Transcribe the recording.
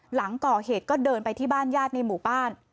หลังก่อเหตุก็เดินไปที่บ้านญาติในหมู่บ้าน